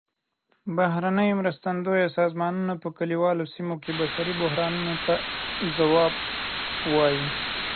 بهرنۍ مرستندویه سازمانونه په کلیوالو سیمو کې بشري بحرانونو ته ځواب ووايي.